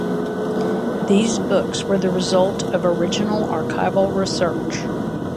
These books were the result of original archival research.